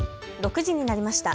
６時になりました。